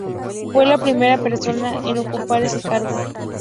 Fue la primera persona en ocupar ese cargo.